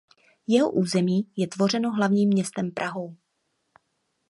Jeho území je tvořeno hlavním městem Prahou.